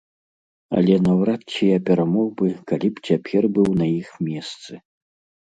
Але наўрад ці я перамог бы, калі б цяпер быў на іх месцы.